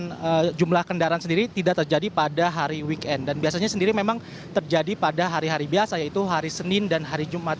dan jumlah kendaraan sendiri tidak terjadi pada hari weekend dan biasanya sendiri memang terjadi pada hari hari biasa yaitu hari senin dan hari jumat